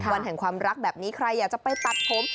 วันแห่งความรักแบบนี้ใครอยากจะไปตัดผม